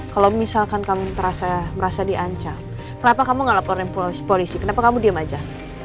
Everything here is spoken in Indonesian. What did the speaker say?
kalau misalkan kamu merasa merasa diancam kenapa kamu ngelaporin polisi polisi kenapa kamu diam aja